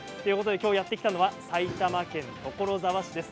きょうやって来たのは埼玉県所沢市です。